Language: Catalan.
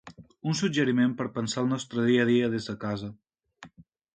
Un suggeriment per pensar el nostre dia a dia des de casa.